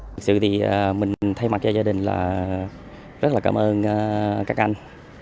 thực sự thì mình thay mặt cho gia đình là rất là cảm ơn các anh